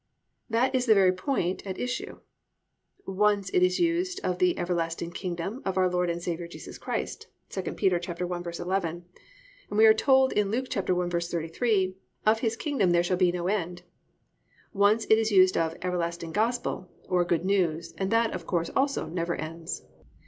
That is the very point at issue. Once it is used of the "everlasting kingdom" of our Lord and Saviour Jesus Christ (II Peter 1:11), and we are told in Luke 1:33, "of His kingdom there shall be no end." Once it is used of "everlasting gospel" (or good news) and that, of course, also never ends.